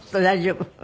大丈夫。